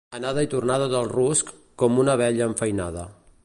Anada i tornada del rusc, com una abella enfeinada.